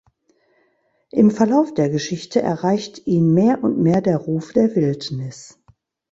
Im Verlauf der Geschichte erreicht ihn mehr und mehr der „Ruf der Wildnis“.